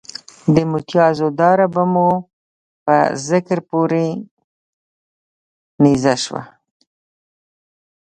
د متیازو داره به مو په ذکر پورې نیزه شوه.